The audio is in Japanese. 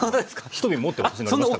１瓶持って私乗りました。